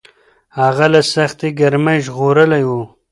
هغه له سختې ګرمۍ ژغورلی و.